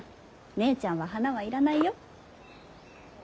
姉ちゃんは花は要らないよ。